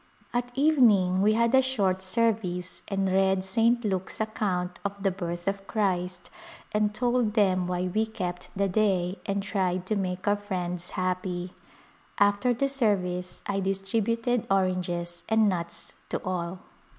At evening we had a short service and read St. Luke's account of the birth of Christ and told them Distinguished Visitors why we kept the day and tried to make our friends happy. After the service I distributed oranges and nuts to all.